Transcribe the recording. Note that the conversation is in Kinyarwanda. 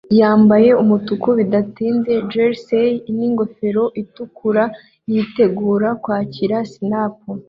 yambaye umutuku Bidatinze jersey ningofero itukura yitegura kwakira snap